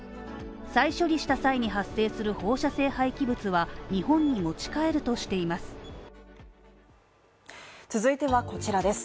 再処理した際に発生する放射性廃棄物は日本に持ち帰るとしています。